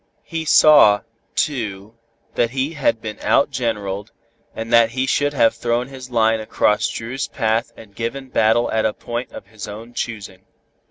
He saw, too, that he had been outgeneraled, and that he should have thrown his line across Dru's path and given battle at a point of his own choosing.